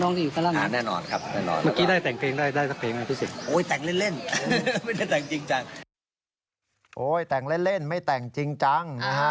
โอ๊ยแต่งเล่นไม่แต่งจริงจัง